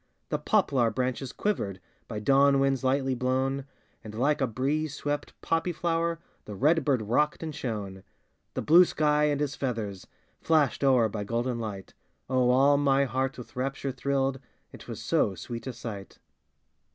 The poplar branches quivered, By dawn winds lightly blown, And like a breeze swept poppy flower The red bird rocked and shone. The blue sky, and his feathers Flashed o'er by golden light, Oh, all my heart with rapture thrilled, It was so sweet a sight!